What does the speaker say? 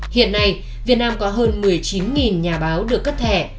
hiện nay việt nam có hơn một mươi chín nhà báo được cấp thẻ